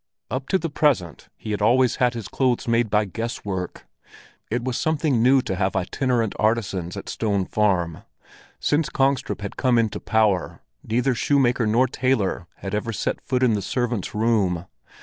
Up to the present, he had always had his clothes made by guess work. It was something new to have itinerant artisans at Stone Farm; since Kongstrup had come into power, neither shoemaker nor tailor had ever set foot in the servants' room.